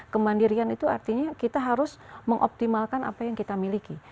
kemandirian itu artinya kita harus mengoptimalkan apa yang kita miliki